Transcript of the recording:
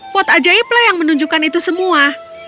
pot ajaiblah yang menunjukkan itu semua